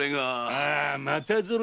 ああまたぞろ